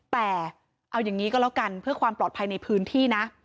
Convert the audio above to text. แต่เอาอย่างนี้ก็แล้วกันเพื่อความปลอดภัยในพื้นที่นะ